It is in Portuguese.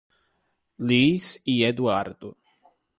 Liz e Eduardo